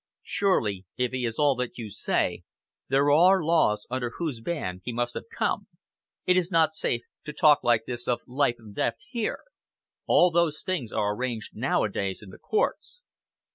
Surely, if he is all that you say there are laws under whose ban he must have come. It is not safe to talk like this of life and death here. All those things are arranged nowadays in the courts."